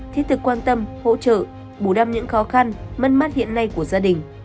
thiết thực quan tâm hỗ trợ bù đâm những khó khăn mất mắt hiện nay của gia đình